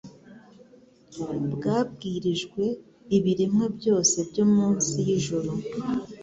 «bwabwirijwe ibiremwa byose byo munsi y'ijuru.'»